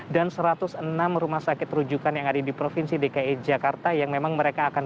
dan satu ratus enam rumah sakit rujukan yang ada di provinsi dki jakarta yang memang mereka akan